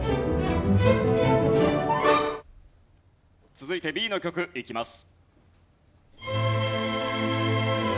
続いてＢの曲いきます。